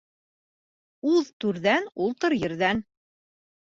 Уҙ түрҙән, ултыр ерҙән.